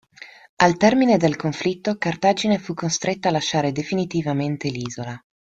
Al termine del conflitto Cartagine fu costretta a lasciare definitivamente l'isola.